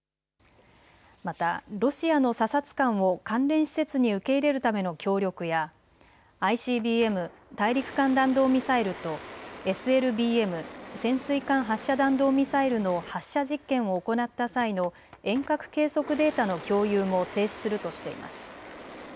またロシアの査察官を関連施設に受け入れるための協力やＩＣＢＭ・大陸間弾道ミサイルとＳＬＢＭ・潜水艦発射弾道ミサイルの発射実験を行った際の遠隔計測データの共有も停止するとしています。